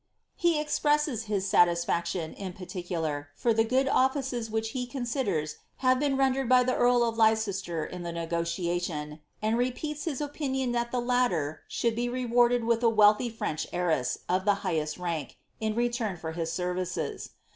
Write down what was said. He ei presses his satisfaction, in particular, for the good ollices which he con siders have been rendered by the earl of Leicester in the negotiation, and repeats his opinion that the latter should be rewarded with a wealthy French heiress of the highest rank, in return for his services.'